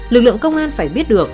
lực lượng công an phải biết được